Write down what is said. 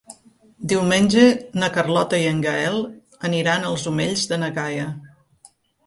Diumenge na Carlota i en Gaël aniran als Omells de na Gaia.